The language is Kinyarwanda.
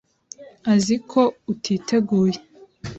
azi ko utiteguye.